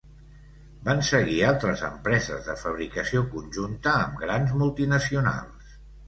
Van seguir altres empreses de fabricació conjunta amb grans multinacionals.